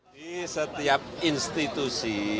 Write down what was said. di setiap institusi